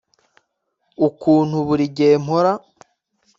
ukuntu buri gihe mpora